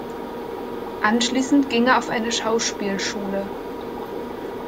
Anschließend ging er auf eine Schauspielschule.